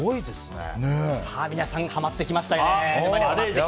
皆さん、ハマってきましたね。